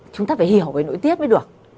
chúng ta phải hiểu về nội tiết mới được